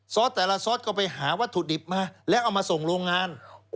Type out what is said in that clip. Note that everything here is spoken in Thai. แต่ละซอสก็ไปหาวัตถุดิบมาแล้วเอามาส่งโรงงาน